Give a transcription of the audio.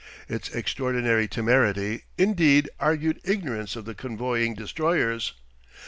Its extraordinary temerity, indeed, argued ignorance of the convoying destroyers.